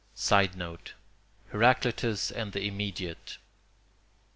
[Sidenote: Heraclitus and the immediate.